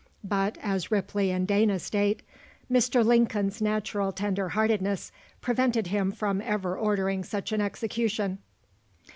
"But," as Ripley and Dana state, "Mr. Lincoln's natural tender heartedness prevented him from ever ordering such an execution."